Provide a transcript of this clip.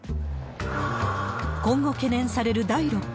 今後、懸念される第６波。